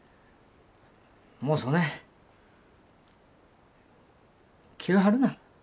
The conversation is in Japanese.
もうそねん気を張るな。